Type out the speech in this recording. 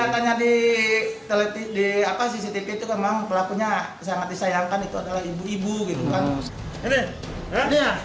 keliatannya di cctv itu memang pelakunya sangat disayangkan itu adalah ibu ibu gitu kan